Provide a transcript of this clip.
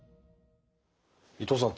伊藤さん